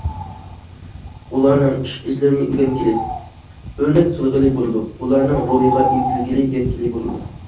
ئۇلارنىڭ ئىش ئىزلىرىنى ئۆگەنگىلى، ئۆرنەك قىلغىلى بولىدۇ، ئۇلارنىڭ روھىغا ئىنتىلگىلى، يەتكىلى بولىدۇ.